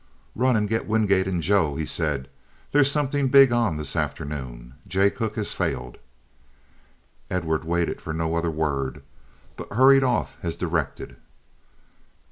"Run and get Wingate and Joe," he said. "There's something big on this afternoon. Jay Cooke has failed." Edward waited for no other word, but hurried off as directed.